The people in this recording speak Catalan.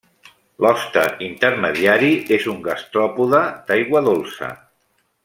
L'hoste intermediari és un gastròpode d'aigua dolça.